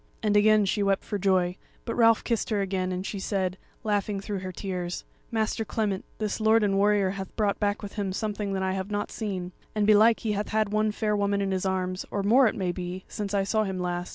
And again she wept for joy; but Ralph kissed her again, and she said, laughing through her tears: "Master Clement, this lord and warrior hath brought back with him something that I have not seen; and belike he hath had one fair woman in his arms, or more it may be, since I saw him last.